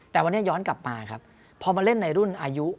แต่วันนี้ย้อนกลับมาครับพอมาเล่นในรุ่นอายุ